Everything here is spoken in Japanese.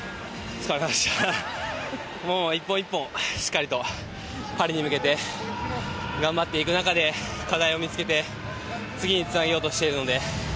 １本１本しっかりとパリに向けて頑張っていく中で課題を見つけて次につなげようとしているので。